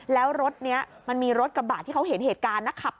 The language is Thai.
แล้วรถนี้มันมีรถกระบะที่เขาเห็นเหตุการณ์นะครับ